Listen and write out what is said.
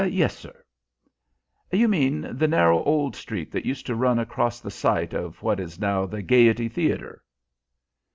"Yes, sir." "You mean the narrow old street that used to run across the site of what is now the Gaiety Theatre?"